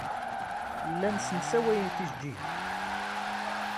Llan ssemsawayen tijejjigin.